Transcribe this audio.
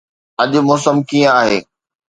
اڄ موسم ڪيئن آهي؟